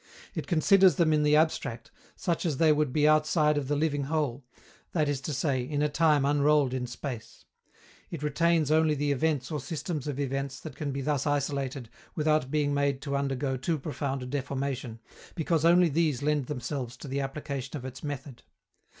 It considers them in the abstract, such as they would be outside of the living whole, that is to say, in a time unrolled in space. It retains only the events or systems of events that can be thus isolated without being made to undergo too profound a deformation, because only these lend themselves to the application of its method.